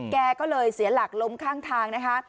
แกก็เลยเสียหลักล้มข้างทางนะคะ